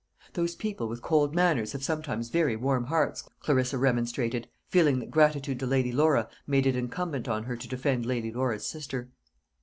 "Those people with cold manners have sometimes very warm hearts," Clarissa, remonstrated, feeling that gratitude to Lady Laura made it incumbent on her to defend Lady Laura's sister.